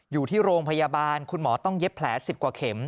อยู่ที่โรงพยาบาลคุณหมอต้องเย็บแผล๑๐กว่าเข็ม